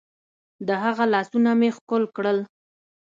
د هغه لاسونه مې ښكل كړل.